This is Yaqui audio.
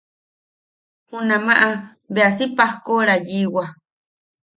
Junamaʼa bea si pajkoʼora yiʼiwa.